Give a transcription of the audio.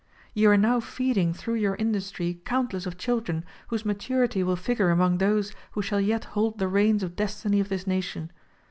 You are now feeding through your industry countless of children whose maturity will figure among those who shall yet hold the reins of destiny of this nation.